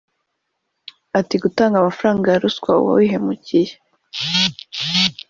Ati “Gutanga amafaranga ya ruswa uba wihemukiye